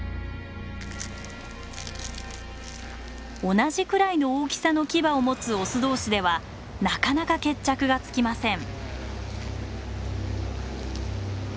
同じくらいの大きさのキバを持つオス同士ではなかなか決着がつきません。